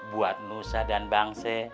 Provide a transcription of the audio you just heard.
buat musa dan bang sih